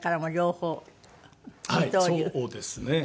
そうですね。